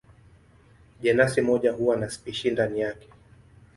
Jenasi moja huwa na spishi ndani yake.